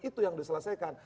itu yang diselesaikan